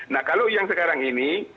nah kalau yang sekarang ini